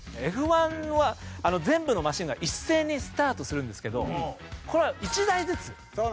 Ｆ１は全部のマシンが一斉にスタートするんですけどこれは１台ずつ。